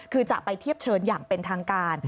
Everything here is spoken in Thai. คือจะไปเทียบเชิญอย่างเป็นทางการ